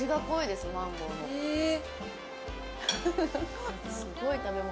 すごい食べ物。